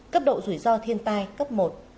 cấp độ rủi ro thiên tai cấp một